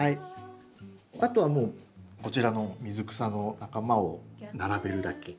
あとはもうこちらの水草の仲間を並べるだけ。